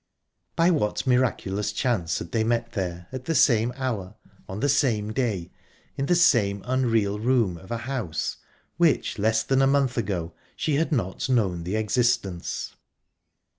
By what miraculous chance had they met there, at the same hour, on the same day, in the same unreal room of a house which, less than a month ago, she had not known the existence?